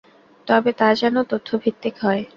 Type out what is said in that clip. তবে তা যেন তথ্যভিত্তিক হয়।